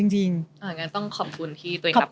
จริงต้องขอบคุณที่ตัวเองรับง่าย